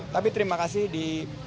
tapi terima kasih di